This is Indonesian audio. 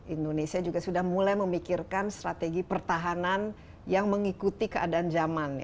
indonesia juga sudah mulai memikirkan strategi pertahanan yang mengikuti keadaan zaman